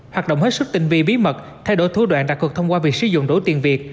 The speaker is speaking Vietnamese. hoạt động hết sức tình vi bí mật thay đổi thủ đoạn đặc hợp thông qua việc sử dụng đổ tiền việt